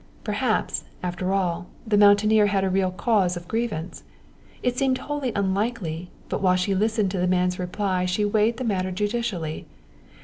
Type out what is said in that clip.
Perhaps, after all, the mountaineer had a real cause of grievance. It seemed wholly unlikely, but while she listened to the man's reply she weighed the matter judicially.